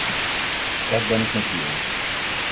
Dat ben ik met u eens.